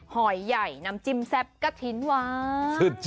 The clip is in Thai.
หอยใหญ่น้ำจิ้มแซ่บกะถิ่นหวาน